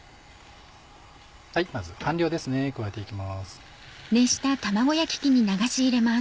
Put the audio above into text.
まず半量ですね加えていきます。